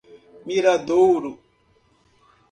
Miradouro